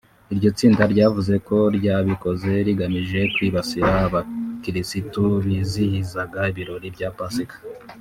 Iryo tsinda ryavuze ko ryabikoze rigamije kwibasira abakirisitu bizihizaga ibirori bya Pasika